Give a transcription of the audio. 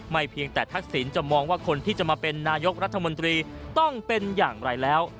เพียงแต่ทักษิณจะมองว่าคนที่จะมาเป็นนายกรัฐมนตรีต้องเป็นอย่างไรแล้ว